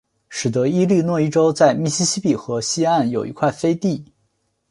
使得伊利诺伊州在密西西比河西岸有一块飞地。